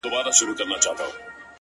دا کتاب ختم سو نور! یو بل کتاب راکه!